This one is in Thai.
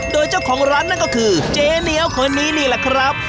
โดยเจ้าของร้านนั่นก็คือเจ๊เหนียวคนนี้นี่แหละครับ